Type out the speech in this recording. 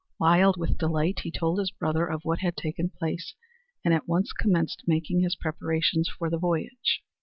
Wild with delight he told his brother of what had taken place and at once commenced making his preparations for the voyage.